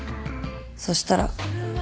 そしたら